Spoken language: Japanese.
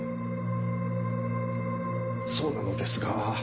そうなのですが。